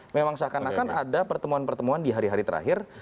memang seakan akan ada pertemuan pertemuan di hari hari terakhir